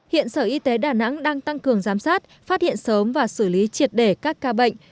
hiện sở y tế đà nẵng đang tăng cường giám sát phát hiện sớm và xử lý triệt để các ca bệnh